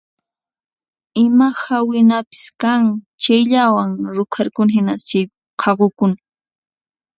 Ima hawinapis kan chayllawan rukharukuni hina chayllawan hawirukuni.